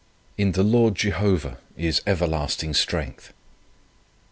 IN THE LORD JEHOVAH IS EVERLASTING STRENGTH.